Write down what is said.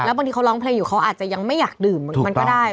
บางทีเขาร้องเพลงอยู่เขาอาจจะยังไม่อยากดื่มมันก็ได้